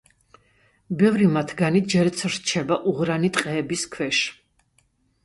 ბევრი მათგანი ჯერაც რჩება უღრანი ტყეების ქვეშ.